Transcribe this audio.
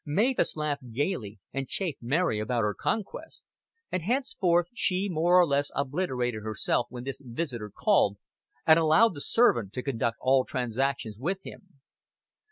Mavis laughed gaily, and chaffed Mary about her conquest; and henceforth she more or less obliterated herself when this visitor called, and allowed the servant to conduct all transactions with him.